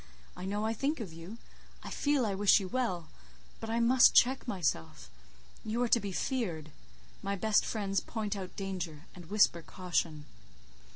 I know I think of you—I feel I wish, you well—but I must check myself; you are to be feared. My best friends point out danger, and whisper caution."